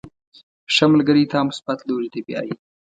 • ښه ملګری تا مثبت لوري ته بیایي.